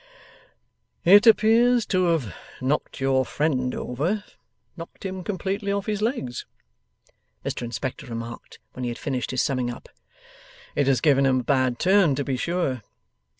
'It appears to have knocked your friend over knocked him completely off his legs,' Mr Inspector remarked, when he had finished his summing up. 'It has given him a bad turn to be sure!